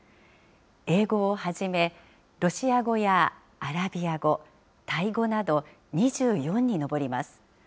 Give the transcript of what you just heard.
英語をはじめ、ロシア語やアラビア語、タイ語など２４に上ります。